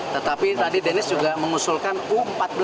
tetapi tadi deni juga mengusulkan u empat belas